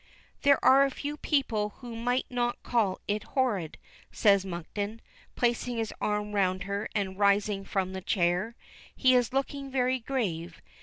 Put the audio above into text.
"There are a few people who might not call it horrid," says Monkton, placing his arm round her and rising from the chair. He is looking very grave.